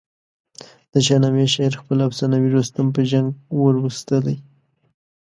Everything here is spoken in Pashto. د شاهنامې شاعر خپل افسانوي رستم په جنګ وروستلی.